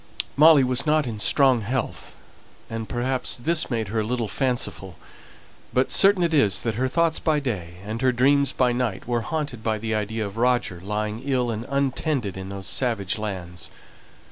Molly was not in strong health, and perhaps this made her a little fanciful; but certain it is that her thoughts by day and her dreams by night were haunted by the idea of Roger lying ill and untended in those savage lands.